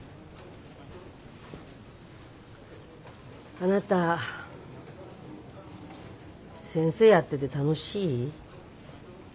あなた先生やってて楽しい？